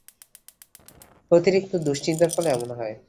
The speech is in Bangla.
অতিরিক্ত দুশ্চিন্তার ফলে এমন হয়।